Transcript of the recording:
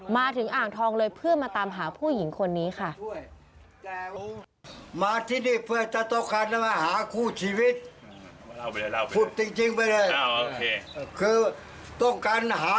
มาถึงอ่างทองเลยเพื่อมาตามหาผู้หญิงคนนี้ค่ะ